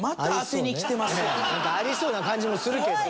なんかありそうな感じもするけど。